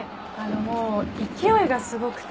勢いがすごくて。